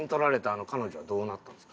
あの彼女はどうなったんですか？